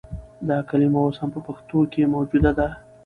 دا کلمه اوس هم په پښتو کښې موجوده ده